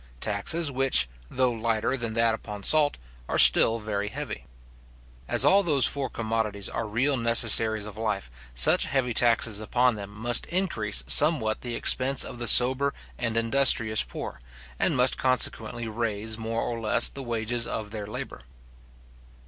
taxes which, though lighter than that upon salt, are still very heavy. As all those four commodities are real necessaries of life, such heavy taxes upon them must increase somewhat the expense of the sober and industrious poor, and must consequently raise more or less the wages of their labour.